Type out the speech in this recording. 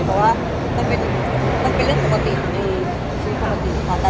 เพราะว่ามันเป็นเรื่องปกติของดีชีวิตปกติค่ะ